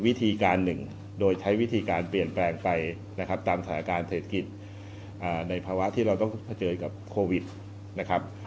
วิธีการหนึ่งโดยใช้วิธีการเปลี่ยนแปลงไปนะครับตามสถานการณ์เศรษฐกิจในภาวะที่เราต้องเผชิญกับโควิดนะครับ